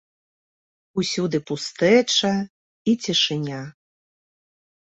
Усюды пустэча і цішыня.